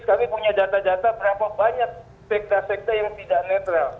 kami punya data data berapa banyak sekda sekta yang tidak netral